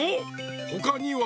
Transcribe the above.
ほかには？